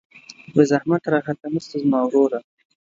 بې زحمته راحت نسته زما وروره